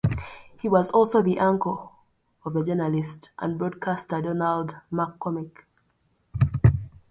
He was also the uncle of the journalist and broadcaster Donald MacCormick.